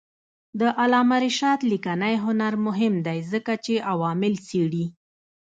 د علامه رشاد لیکنی هنر مهم دی ځکه چې عوامل څېړي.